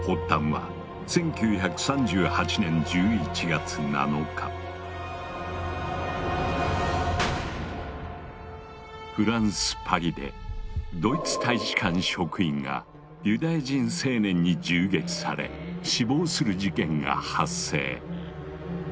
発端はフランス・パリでドイツ大使館職員がユダヤ人青年に銃撃され死亡する事件が発生。